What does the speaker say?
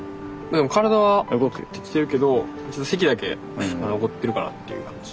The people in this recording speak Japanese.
体は動くようになってきてるけどちょっと咳だけ残ってるかなっていう感じ。